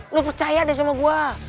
lu percaya deh sama gue